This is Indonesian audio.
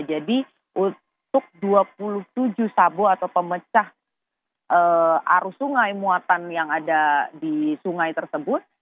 jadi untuk dua puluh tujuh sabo atau pemecah arus sungai muatan yang ada di sungai tersebut